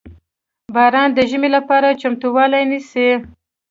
• باران د ژمي لپاره چمتووالی نیسي.